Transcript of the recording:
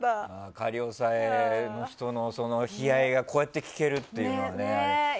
仮押さえの人の悲哀がこうやって聞けるというのがね。